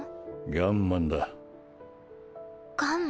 ガンマン？